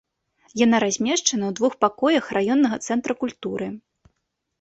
Яна размешчана ў двух пакоях раённага цэнтра культуры.